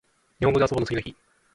にほんごであそぼの次の日